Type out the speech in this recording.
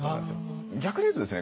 逆に言うとですね